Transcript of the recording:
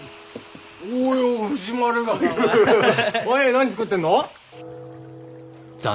何作ってんの？